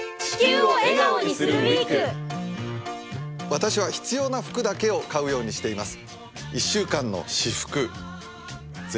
私は必要な服だけを買うようにしています。